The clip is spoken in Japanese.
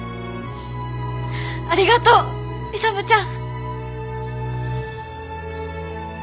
ありがとう！勇ちゃん。